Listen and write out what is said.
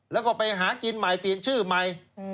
แล้วก็ไปหากินใหม่เปลี่ยนชื่อใหม่